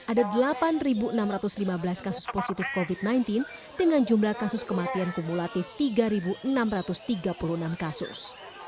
ada delapan enam ratus lima belas kasus positif covid sembilan belas dengan jumlah kasus kematian kumulatif tiga enam ratus tiga puluh enam kasus